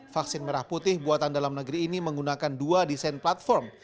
vaksin merah putih buatan dalam negeri ini menggunakan dua desain platform